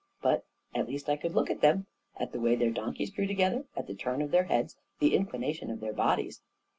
But at least I could look at them — at the way their donkeys drew together, at the turn of their heads, the inclination of their bodies.